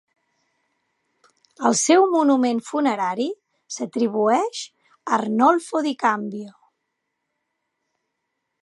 El seu monument funerari s'atribueix a Arnolfo di Cambio.